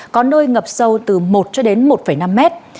có nơi ngập sâu từ một cho đến một năm mét